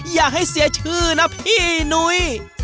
อย่าให้เสียชื่อนะพี่นุ้ย